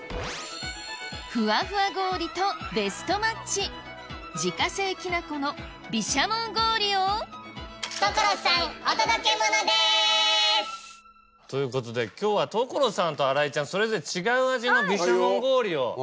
ふわふわ氷とベストマッチ自家製きな粉の毘沙門氷を所さんお届けモノです！ということで今日は所さんと新井ちゃんそれぞれ。